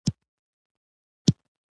غوږونه له هدایت سره مینه لري